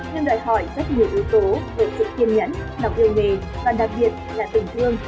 nhưng đòi hỏi rất nhiều yếu tố về sự kiên nhẫn là quê nghề và đặc biệt là tình thương